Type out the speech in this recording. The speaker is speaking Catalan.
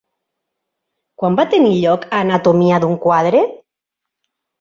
Quan va tenir lloc Anatomia d'un quadre?